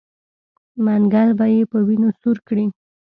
منګل به یې په وینو سور کړي.